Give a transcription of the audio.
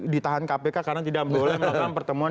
ditahan kpk karena tidak boleh melakukan pertemuan